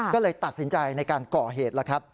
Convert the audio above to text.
ก็เลยตัดสินใจในการก่อเหตุ